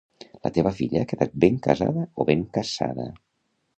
La teva filla ha quedat ben casada o ben caçada?